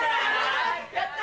やった！